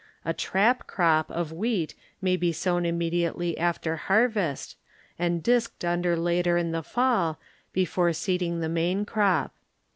A trap crop of wheat may be sown immediately after harvest and disked under later in the fall before seeding the main crop.